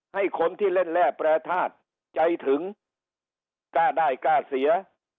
ให้คนที่เล่นแร่แปรทาสใจถึงกล้าได้กล้าเสีย